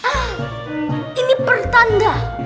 hah ini pertanda